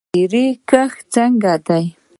د زیرې کښت څنګه دی؟